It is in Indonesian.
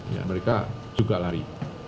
ya mereka juga lari